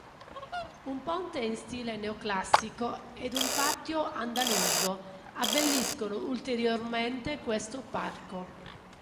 Un ponte in stile neoclassico ed un patio andaluso abbelliscono ulteriormente questo parco.